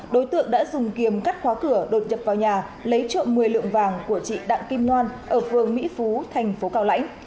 đối tượng đã dùng kiềm cắt khóa cửa đột nhập vào nhà lấy trộm một mươi lượng vàng của chị đặng kim loan ở phường mỹ phú thành phố cao lãnh